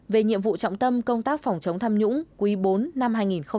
về nhiệm vụ trọng tâm công tác phòng chống tham nhũng quý bốn năm hai nghìn một mươi năm